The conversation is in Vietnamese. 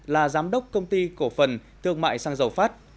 là giám đốc công ty cổ phần thương mại xăng dầu phát